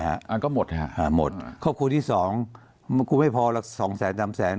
อันก็หมดฮะหาหมดครอบครัวที่สองครูไม่พอละสองแสนสามแสน